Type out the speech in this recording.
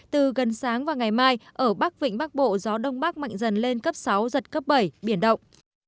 từ gần sáng và ngày mai ở bắc vịnh bắc bộ gió đông bắc mạnh dần lên cấp sáu giật cấp bảy biển động